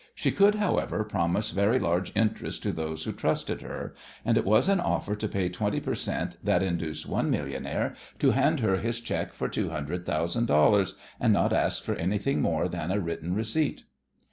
She could, however, promise very large interest to those who trusted her, and it was an offer to pay twenty per cent that induced one millionaire to hand her his cheque for two hundred thousand dollars and not ask for anything more than a written receipt.